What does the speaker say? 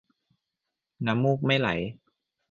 น้ำมูกไม่ไหล